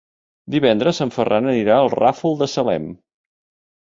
Divendres en Ferran anirà al Ràfol de Salem.